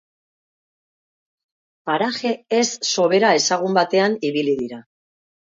Paraje ez sobera ezagun batean ibili dira.